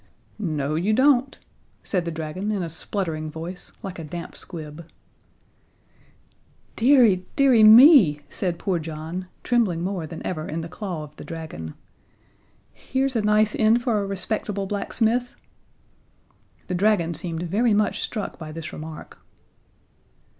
"No you don't," said the dragon in a spluttering voice, like a damp squib. "Deary, deary me," said poor John, trembling more than ever in the claw of the dragon. "Here's a nice end for a respectable blacksmith!" The dragon seemed very much struck by this remark.